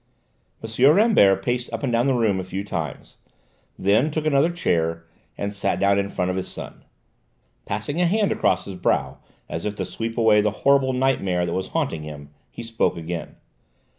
M. Rambert paced up and down the room a few times, then took another chair and sat down in front of his son. Passing a hand across his brow as if to sweep away the horrible nightmare that was haunting him, he spoke again.